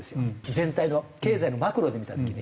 全体の経済のマクロで見た時に。